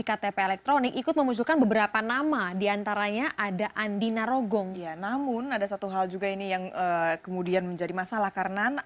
anas banyenggung dan muhammad nazarudin